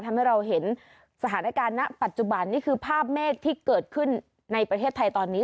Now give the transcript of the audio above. ทำให้เราเห็นสถานการณ์ณปัจจุบันนี่คือภาพเมฆที่เกิดขึ้นในประเทศไทยตอนนี้